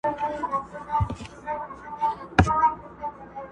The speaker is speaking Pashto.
شپې ته راغله انګولا د بلاګانو٫